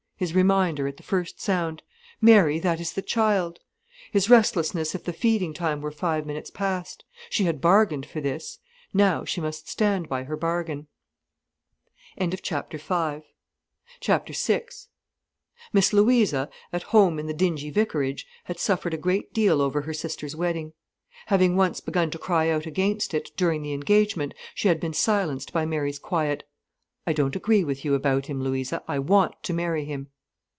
—his reminder, at the first sound: "Mary, that is the child,"—his restlessness if the feeding time were five minutes past. She had bargained for this—now she must stand by her bargain. VI Miss Louisa, at home in the dingy vicarage, had suffered a great deal over her sister's wedding. Having once begun to cry out against it, during the engagement, she had been silenced by Mary's quiet: "I don't agree with you about him, Louisa, I want to marry him."